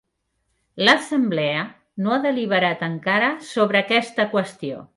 L'assemblea no ha deliberat encara sobre aquesta qüestió.